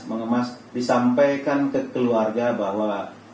mengemas disampaikan ke keluarga bahwa